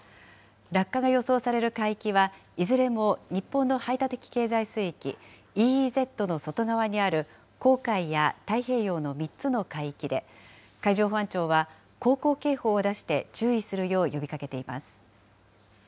落下が予想される海域は、いずれも日本の排他的経済水域・ＥＥＺの外側にある黄海や太平洋の３つの海域で、海上保安庁は航行警報を出して注意するよう呼びかけています。